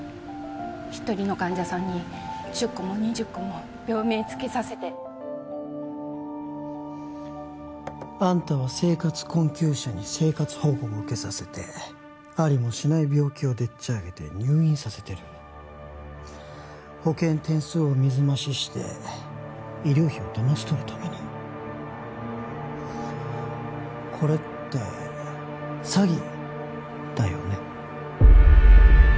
一人の患者さんに１０個も２０個も病名つけさせてあんたは生活困窮者に生活保護を受けさせてありもしない病気をでっち上げて入院させてる保険点数を水増しして医療費をだまし取るためにこれって詐欺だよね？